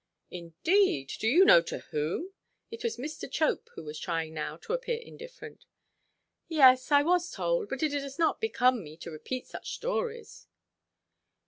"Indeed! Do you know to whom?" It was Mr. Chope who was trying now to appear indifferent. "Yes. I was told. But it does not become me to repeat such stories."